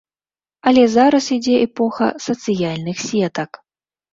Але зараз ідзе эпоха сацыяльных сетак.